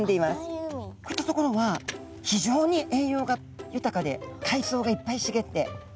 こういった所は非常に栄養が豊かでかいそうがいっぱいしげって。